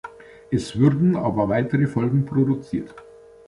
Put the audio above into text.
Es würden aber weitere Folgen produziert.